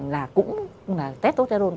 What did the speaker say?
là cũng là tetosterone